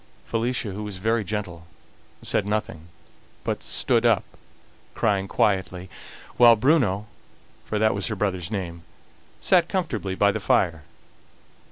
Felicia, who was very gentle, said nothing, but stood up crying quietly; while Bruno, for that was her brother's name, sat comfortably by the fire.